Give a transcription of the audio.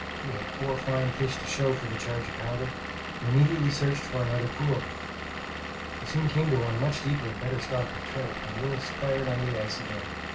We had four fine fish to show for the charge of powder, and immediately searched for another pool. We soon came to one much deeper and better stocked with trout, and Willis fired under the ice again.